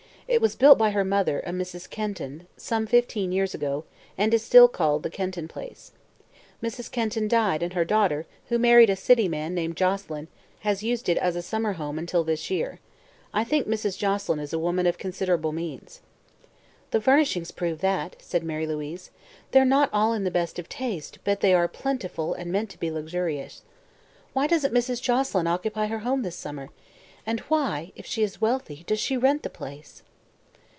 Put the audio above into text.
It was built by her mother, a Mrs. Kenton, some fifteen years ago, and is still called 'the Kenton Place.' Mrs. Kenton died and her daughter, who married a city man named Joselyn, has used it as a summer home until this year. I think Mrs. Joselyn is a woman of considerable means." "The furnishings prove that," said Mary Louise. "They're not all in the best of taste, but they are plentiful and meant to be luxurious. Why doesn't Mrs. Joselyn occupy her home this summer? And why, if she is wealthy, does she rent the place?"